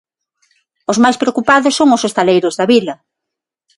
Os máis preocupados son os hostaleiros da vila.